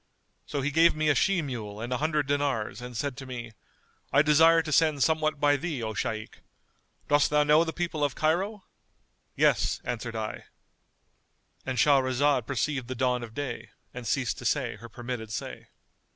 So he gave me a she mule and an hundred dinars and said to me, I desire to send somewhat by thee, O Shaykh! Dost thou know the people of Cairo? Yes, answered I;——And Shahrazad perceived the dawn of day and ceased to say her permitted say.